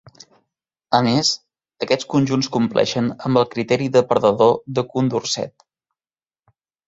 A més, aquests conjunts compleixen amb el criteri de perdedor de Condorcet.